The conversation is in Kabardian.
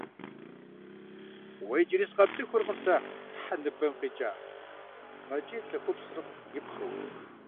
— Уэ иджыри сыкъэпцӏыхуркъым сэ, хьэ ныбэм къикӀа! — мэкӏий лӏыр ӏупсыр ипхъыу.